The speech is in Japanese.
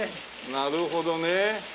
なるほどね。